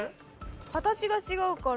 形が違うから。